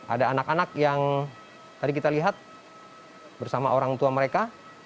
ada anak anak yang tadi kita lihat bersama orang tua mereka